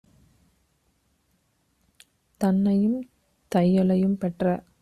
தன்னையும் தையலையும் - பெற்ற